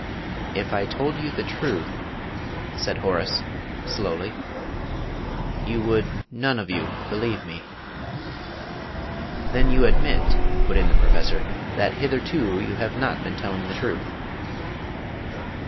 "If I told you the truth," said Horace, slowly, "you would none of you believe me!" "Then you admit," put in the Professor, "that hitherto you have not been telling the truth?"